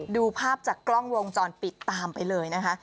ดูภาพจากกล้องวงจรปิดตามไปเลยนะคะ